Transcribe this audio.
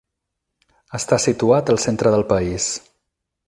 Està situat al centre del país.